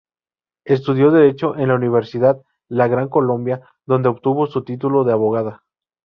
Estudió Derecho en la Universidad La Gran Colombia, donde obtuvo su título de abogada.